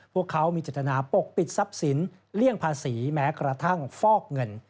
พวกเขามีเจตนาปกปิดทรัพย์สินเลี่ยงภาษีแม้กระทั่งฟอกเงิน